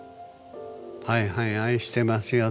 「はいはい愛してますよ」